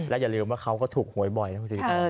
อย่าลืมว่าเขาก็ถูกหวยบ่อยนะคุณสิ